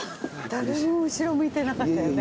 誰も後ろ向いてなかったよね。